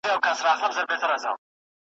زموږ دفتحي د جشنونو .